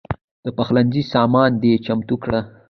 د پخلنځي سامان دې چمتو کړه.